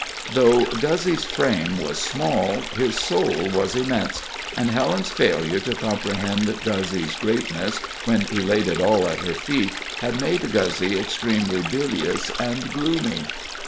Though Guzzy's frame was small, his soul was immense, and Helen's failure to comprehend Guzzy's greatness when he laid it all at her feet had made Guzzy extremely bilious and gloomy.